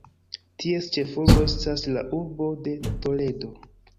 Ties ĉefurbo estas la urbo de Toledo.